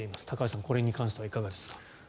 高橋さん、これに関してはいかがですか。